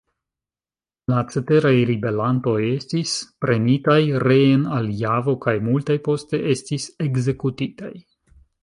La ceteraj ribelantoj estis prenitaj reen al Javo kaj multaj poste estis ekzekutitaj.